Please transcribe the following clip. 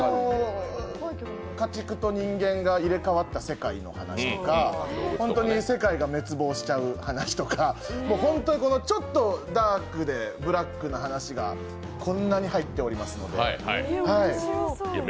家畜と人間が入れ替わった世界の話とか本当に世界が滅亡しちゃう話とか本当にちょっとダークでブラックな話がこんなに入っていますので。